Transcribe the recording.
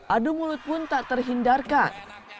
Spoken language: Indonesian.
adu mulut pun tak terhindarkan